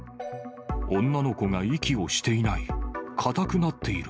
女の子が息をしていない。